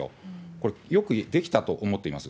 これ、よく出来たと思っています。